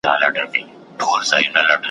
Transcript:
هر چا وژلي په خپل نوبت یو ,